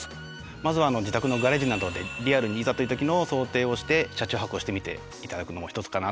まずは自宅のガレージなどでリアルにいざという時の想定をして車中泊をしてみて頂くのも一つかなと思います。